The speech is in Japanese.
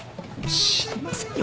知りませんよ